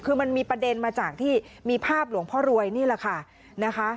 คือมันมีประเด็นมาจากที่มีภาพหลวงพ่อรวยนี่แหละค่ะนะคะ